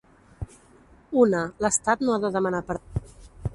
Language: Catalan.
Una, l’estat no ha de demanar perdó.